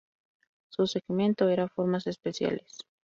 Su segmento era formas espaciales.